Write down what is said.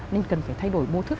nên cần phải thay đổi mô thức